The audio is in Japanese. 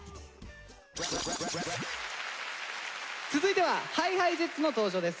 続いてはＨｉＨｉＪｅｔｓの登場です。